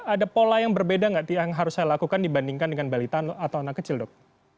ada pola yang berbeda nggak yang harus saya lakukan dibandingkan dengan balita atau anak kecil dok